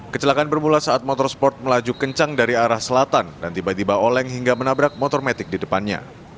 kecelakaan bermula saat motorsport melaju kencang dari arah selatan dan tiba tiba oleng hingga menabrak motor metik di depannya